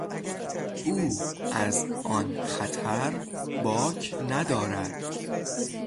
او از آن خطر باک ندارد.